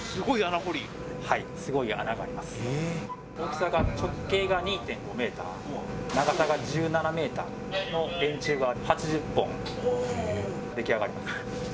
はい大きさが直径が２．５ｍ長さが１７ｍの円柱が８０本出来上がります